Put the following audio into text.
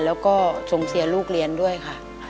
แล้วก็ส่งเสียลูกเรียนด้วยค่ะ